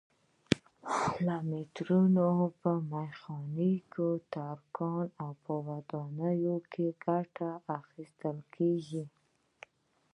له مترونو په میخانیکي، ترکاڼۍ او ودانیو کې ګټه اخیستل کېږي.